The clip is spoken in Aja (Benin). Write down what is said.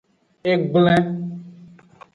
Egblen.